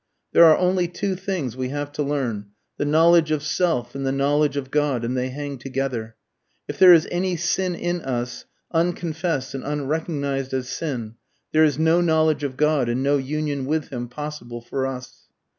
"There are only two things we have to learn the knowledge of self and the knowledge of God, and they hang together. If there is any sin in us, unconfessed and unrecognised as sin, there is no knowledge of God and no union with him possible for us."